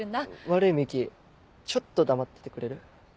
悪い美雪ちょっと黙っててくれる？